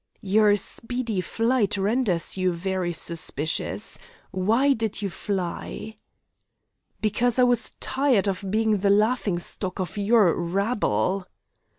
"Your speedy flight renders you very suspicious. Why did you fly?" "Because I was tired of being the laughing stock of your rabble."